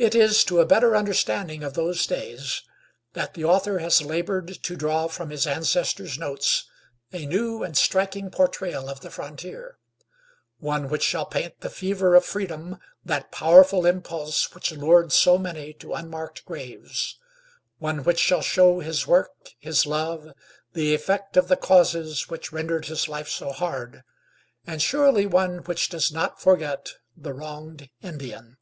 It is to a better understanding of those days that the author has labored to draw from his ancestor's notes a new and striking portrayal of the frontier; one which shall paint the fever of freedom, that powerful impulse which lured so many to unmarked graves; one which shall show his work, his love, the effect of the causes which rendered his life so hard, and surely one which does not forget the wronged Indian.